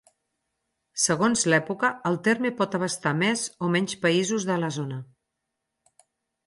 Segons l'època, el terme pot abastar més o menys països de la zona.